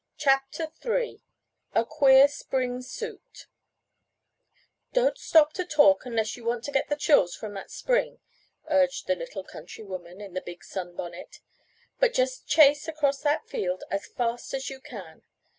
CHAPTER III A QUEER SPRING SUIT "Don't stop to talk unless you want to get the chills from that spring," urged the little country woman in the big sunbonnet, "but just chase across that field as fast as you can.